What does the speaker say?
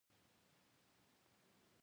دا د خبرو د پای ته رسیدو نښه وه